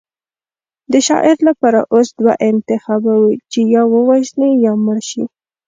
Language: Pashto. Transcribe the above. د شاعر لپاره اوس دوه انتخابه وو چې یا ووژني یا مړ شي